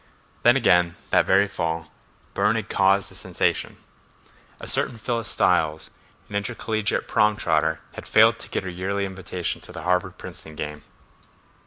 Then again, that very fall, Burne had caused a sensation. A certain Phyllis Styles, an intercollegiate prom trotter, had failed to get her yearly invitation to the Harvard Princeton game.